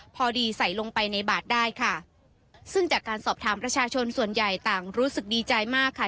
พอดีใส่ลงไปในบาทได้ค่ะซึ่งจากการสอบถามประชาชนส่วนใหญ่ต่างรู้สึกดีใจมากค่ะ